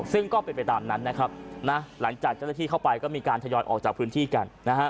ซึ่งก็เป็นไปตามนั้นนะครับนะหลังจากเจ้าหน้าที่เข้าไปก็มีการทยอยออกจากพื้นที่กันนะฮะ